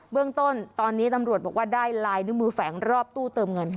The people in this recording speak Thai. เรื่องต้นตอนนี้ตำรวจบอกว่าได้ลายนิ้วมือแฝงรอบตู้เติมเงิน